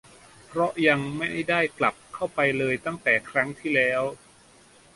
เพราะยังไม่ได้กลับเข้าไปเลยตั้งแต่ครั้งที่แล้ว